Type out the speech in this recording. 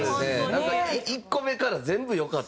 なんか１個目から全部良かったから。